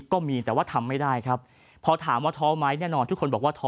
ก็มีแต่ว่าทำไม่ได้ครับพอถามว่าท้อไหมแน่นอนทุกคนบอกว่าท้อ